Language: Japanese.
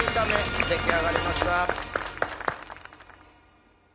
出来上がりました。